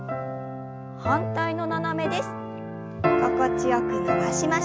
反対の斜めです。